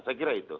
saya kira itu